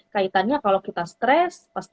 kaitannya kalau kita stres pasti